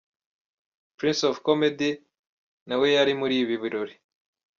Prince of Comedy nawe yari muri ibi birori.